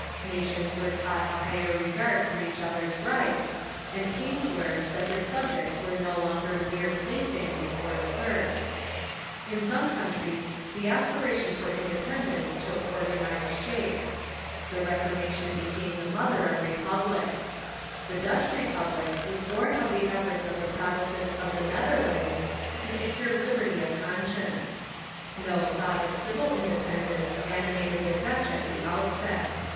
Nations were taught a higher regard for each other's rights, and kings learned that their subjects were no longer mere playthings or serfs. In some countries the aspiration for independence took organized shape. The Reformation became the mother of republics. The Dutch Republic was born of the efforts of the Protestants of the Netherlands to secure liberty of conscience. No thought of civil independence animated the Dutch at the outset.